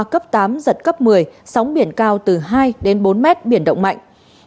cấp tám giật cấp một mươi sóng biển cao từ hai đến bốn mét biển động mạnh